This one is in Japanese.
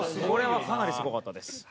これはかなりすごかったです。